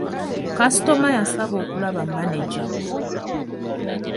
Kasitoma yasaba okulaba manejja.